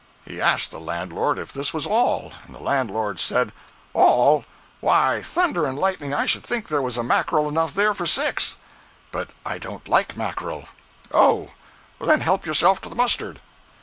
He asked the landlord if this was all. The landlord said: "All! Why, thunder and lightning, I should think there was mackerel enough there for six." "But I don't like mackerel." "Oh—then help yourself to the mustard."